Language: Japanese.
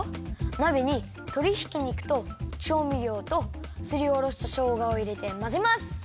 なべにとりひき肉とちょうみりょうとすりおろしたしょうがをいれてまぜます。